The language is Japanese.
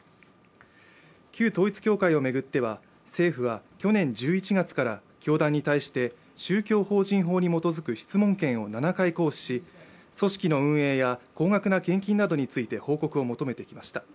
旧統一教会を巡っては、政府は去年１１月から教団に対して宗教法人法に基づく質問権を７回行使し組織の運営や高額な献金などについて報告を求めてきました。